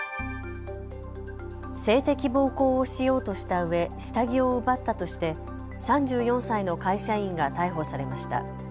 性的暴行をしようとしたうえ下着を奪ったとして３４歳の会社員が逮捕されました。